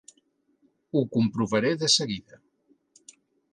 Ho comprovaré de seguida.